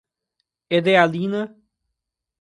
Edealina